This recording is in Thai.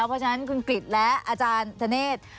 เพราะฉะนั้นคุณกริจและอาจารย์ธเนธ